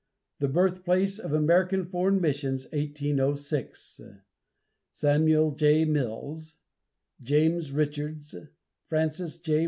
"The Birthplace of American Foreign Missions, 1806." SAMUEL J. MILLS, JAMES RICHARDS, FRANCIS L.